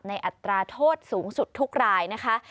อัตราโทษสูงสุดทุกรายนะคะ